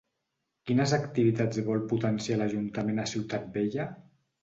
Quines activitats vol potenciar l'Ajuntament a Ciutat Vella?